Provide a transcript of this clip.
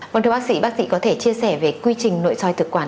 vâng thưa bác sĩ bác sĩ có thể chia sẻ về quy trình nội soi thực quản